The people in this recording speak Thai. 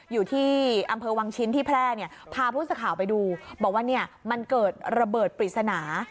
อยู่ที่อำเภอวังชิ้นที่แพร่เนี่ยพาผู้สื่อข่าวไปดูบอกว่าเนี่ยมันเกิดระเบิดปริศนา